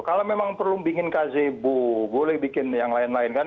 kalau memang perlu bikin kzebu boleh bikin yang lain lain kan